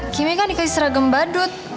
kimi kan dikasih seragam badut